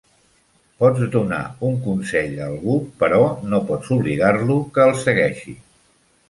Pots donar un consell a algú, però no pots obligar-lo que el segueixi.